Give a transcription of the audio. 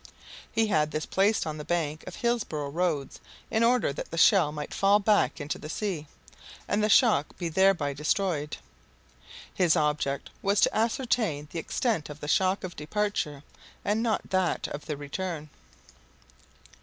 He had this placed on the bank of Hillisborough Roads, in order that the shell might fall back into the sea, and the shock be thereby destroyed. His object was to ascertain the extent of the shock of departure, and not that of the return.